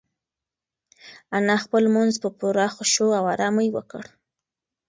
انا خپل لمونځ په پوره خشوع او ارامۍ وکړ.